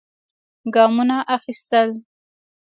ګامونه اخېستل.